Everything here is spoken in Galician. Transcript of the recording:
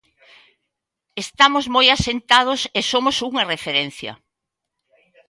Estamos moi asentados e somos unha referencia.